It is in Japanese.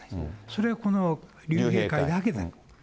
それがこの竜兵会だけだと。